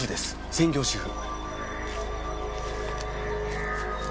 専業主婦。